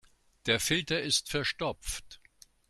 Der Filter ist verstopft.